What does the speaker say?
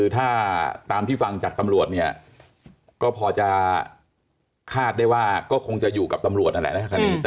ถ้าตามที่ฟังจากตำรวจเนี่ยก็พอจะคาดได้ว่าก็คงจะอยู่กับตำรวจนั่นแหละนะคดี